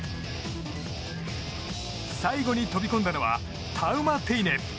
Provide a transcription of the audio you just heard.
最後に飛び込んだのはタウマテイネ。